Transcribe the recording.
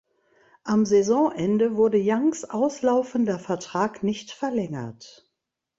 Am Saisonende wurde Youngs auslaufender Vertrag nicht verlängert.